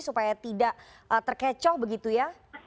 supaya tidak terkecoh begitu ya